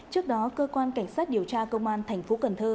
trước đó cơ quan cảnh sát điều tra công an tp cn